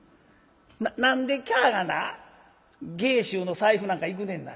何でキャがな芸衆の財布なんかいくねんな。